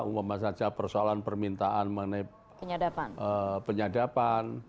umumnya saja persoalan permintaan mengenai penyadapan